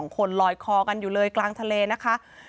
คนลอยคอกันอยู่เลยกลางทะเลนะคะ